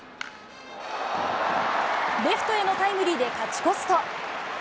レフトへのタイムリーで勝ち越すと。